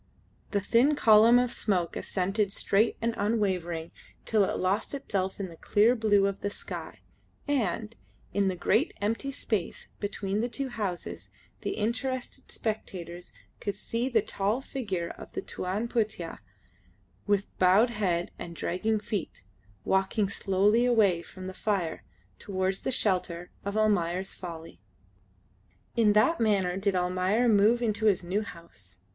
The thin column of smoke ascended straight and unwavering till it lost itself in the clear blue of the sky, and, in the great empty space between the two houses the interested spectators could see the tall figure of the Tuan Putih, with bowed head and dragging feet, walking slowly away from the fire towards the shelter of "Almayer's Folly." In that manner did Almayer move into his new house.